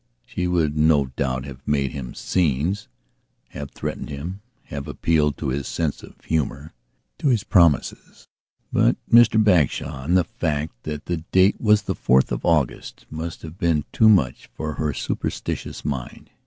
She would no doubt have made him scenes, have threatened him, have appealed to his sense of humour, to his promises. But Mr Bagshawe and the fact that the date was the 4th of August must have been too much for her superstitious mind.